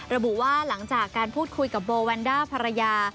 ระบุว่าหลังจากการพูดคุยกับโบแวนด้าภรรยา